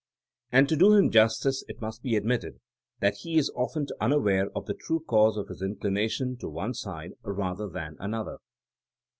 And to do him justice, it must be admitted that he is often unaware of the true cause of his inclination to one side rather than another.